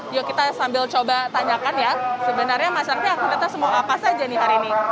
yuk kita sambil coba tanyakan ya sebenarnya masyarakatnya aktivitas mau apa saja nih hari ini